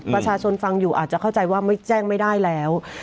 ประชาชนฟังอยู่อาจจะเข้าใจว่าไม่แจ้งไม่ได้แล้ว